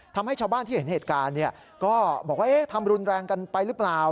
ทำให้ชาวบ้านที่เห็นเหตุการณ์ก็บอกว่าทำรุนแรงกันไปหรือเปล่า